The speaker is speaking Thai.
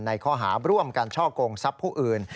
ในข้อหาบร่วมการเชาะโกงทรัพย์ผู้อื่น